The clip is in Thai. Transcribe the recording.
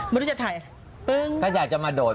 เหมือนจะถ่าย